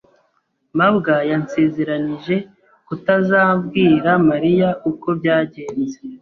mabwa yansezeranije kutazabwira Mariya uko byagenze.